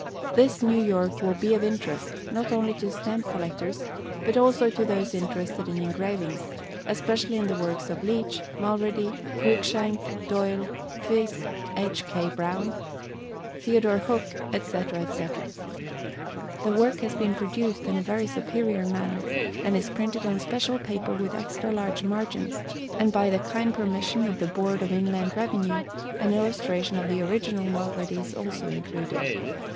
This New Work will be of interest, not only to Stamp Collectors, but also to those interested in Engravings especially in the works of LEECH, MULREADY, CRUIKSHANK, DOYLE, PHIZ (H. K. BROWNE), THEO. HOOK, etc. etc. The Work has been produced in a very superior manner, and is printed on special paper with extra large margins; and by the kind permission of the Board of Inland Revenue an Illustration of the original Mulready is also included.